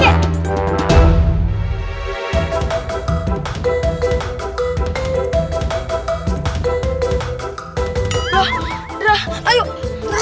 jangan kakek jangan